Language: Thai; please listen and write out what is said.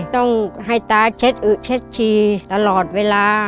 ต้องให้ตาเช็ดอึเช็ดชีตลอดเวลา